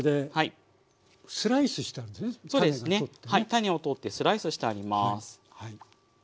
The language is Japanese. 種を取ってスライスしてあります。